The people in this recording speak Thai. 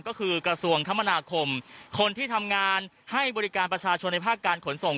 ก็คือกระทรวงคมนาคมคนที่ทำงานให้บริการประชาชนในภาคการขนส่ง